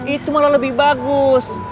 itu malah lebih bagus